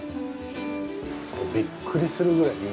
これ、びっくりするぐらいいい！